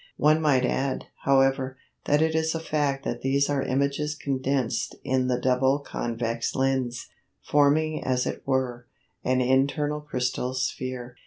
One might add, however, that it is a fact that these are images condensed in the double convex lens, forming as it were, an internal crystal sphere.